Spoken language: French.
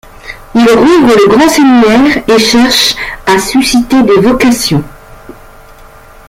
Il rouvre le Grand séminaire et cherche à susciter des vocations.